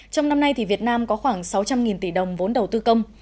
trong năm nay việt nam có khoảng sáu trăm linh tỷ đồng vốn đầu tư công